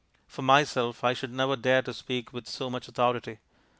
For myself, I should never dare to speak with so much authority.